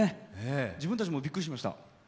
自分たちもびっくりしました。